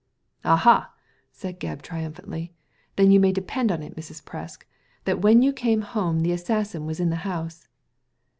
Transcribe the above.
" Aha !" said Gebb, triumphantly, " then you may depend upon it, Mrs. Presk, that when you came home the assassin was in the house."